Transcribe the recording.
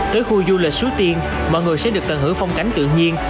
tới khu du lịch suối tiên mọi người sẽ được tận hưởng phong cảnh tự nhiên